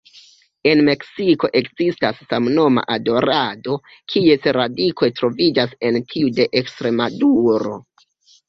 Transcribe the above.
En Meksiko ekzistas samnoma adorado, kies radikoj troviĝas en tiu de Ekstremaduro.